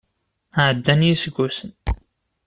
Ɛeddan yiseggasen.